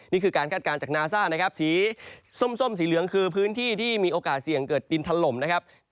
นี่คือการคาดการณ์จากนาซ่านะครับสีส้มสีเหลืองคือพื้นที่ที่มีโอกาสเสี่ยงเกิดดินถล่มนะครับ